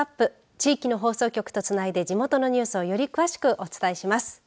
地域の放送局とつないで地元のニュースを詳しくお伝えします。